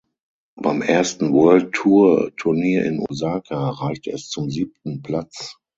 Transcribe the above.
Beim ersten World-Tour-Turnier in Osaka reichte es zum siebten Platz.